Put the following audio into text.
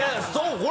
そう。